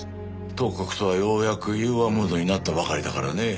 東国とはようやく融和ムードになったばかりだからね。